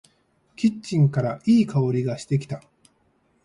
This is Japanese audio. キッチンからいい香りがしてきた。